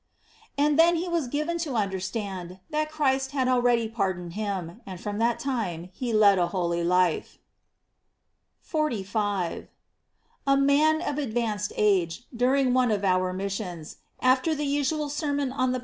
And then he was given to understand that Christ had already pardoned him, and from that time be led a holy life.J 45. — A man of advanced age, during one of our missions, after the usual sermon on the pow * P. Andrad. 1. 2.